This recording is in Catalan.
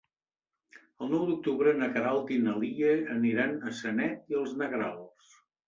El nou d'octubre na Queralt i na Lia aniran a Sanet i els Negrals.